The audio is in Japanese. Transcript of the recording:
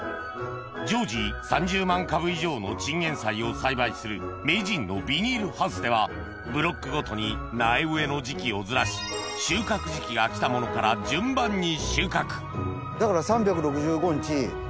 常時３０万株以上のチンゲン菜を栽培する名人のビニールハウスではブロックごとに苗植えの時期をずらし収穫時期が来たものから順番に収穫だから。